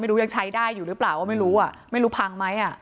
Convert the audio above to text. ไม่รู้ยังใช้ได้อยู่รึเปล่าไม่รู้ล่ะไม่รู้พังไหม